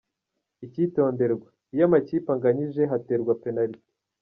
Icyitonderwa: Iyo amakipe anganyije haterwa penaliti.